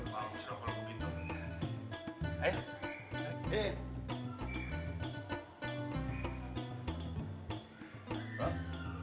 bagus rob kalau begitu